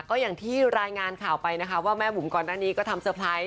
ก็อย่างที่รายงานข่าวไปนะคะว่าแม่บุ๋มก่อนหน้านี้ก็ทำเตอร์ไพรส์